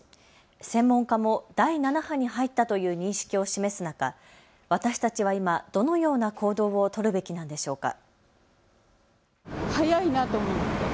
専門家も第７波に入ったという認識を示す中、私たちは今、どのような行動を取るべきなんでしょうか。